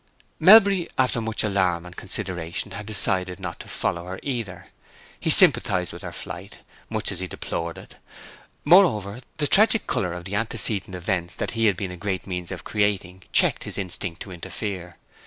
Melbury, after much alarm and consideration, had decided not to follow her either. He sympathized with her flight, much as he deplored it; moreover, the tragic color of the antecedent events that he had been a great means of creating checked his instinct to interfere.